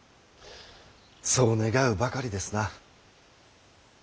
そう願うばかりですな。